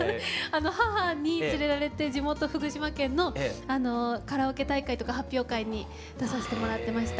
母に連れられて地元福島県のカラオケ大会とか発表会に出させてもらってました。